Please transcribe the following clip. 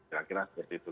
kira kira seperti itu